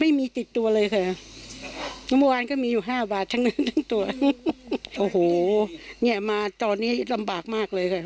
ไม่มีติดตัวเลยค่ะเมื่อวานก็มีอยู่ห้าบาททั้งนั้นทั้งตัวโอ้โหเนี่ยมาตอนนี้ลำบากมากเลยค่ะ